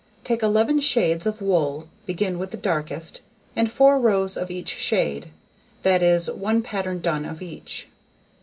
Take 11 shades of wool, begin with the darkest, and 4 rows of each shade; that is, 1 pattern done of each.